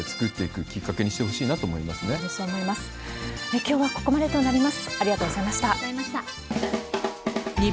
きょうはここまでとなります。